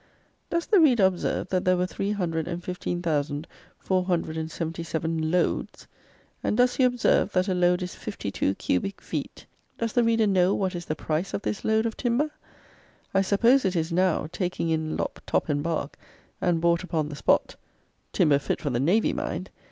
Does the reader observe that there were three hundred and fifteen thousand, four hundred and seventy seven loads? and does he observe that a load is fifty two cubic feet? Does the reader know what is the price of this load of timber? I suppose it is now, taking in lop, top and bark, and bought upon the spot (timber fit for the navy, mind!)